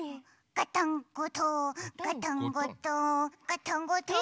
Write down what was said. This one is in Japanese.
ガタンゴトーンガタンゴトーンガタンゴトーン。